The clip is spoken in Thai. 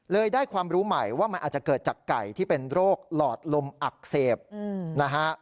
ได้ความรู้ใหม่ว่ามันอาจจะเกิดจากไก่ที่เป็นโรคหลอดลมอักเสบนะฮะ